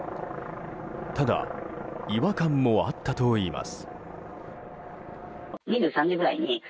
ただ違和感もあったといいます。